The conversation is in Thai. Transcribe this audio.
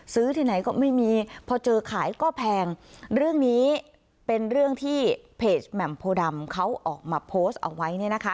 ที่ไหนก็ไม่มีพอเจอขายก็แพงเรื่องนี้เป็นเรื่องที่เพจแหม่มโพดำเขาออกมาโพสต์เอาไว้เนี่ยนะคะ